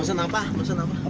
pasukan tas dulu pasukan uang